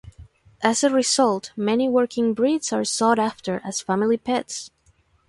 As a result, many working breeds are sought after as family pets.